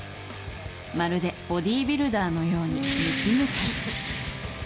まるでボディービルダーのようにムキムキ。